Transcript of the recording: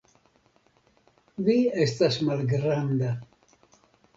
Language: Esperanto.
Vi estas malgranda.